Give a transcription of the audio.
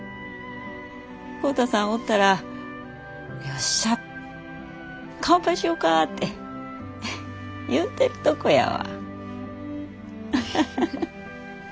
浩太さんおったら「よっしゃ乾杯しよか！」て言うてるとこやわ。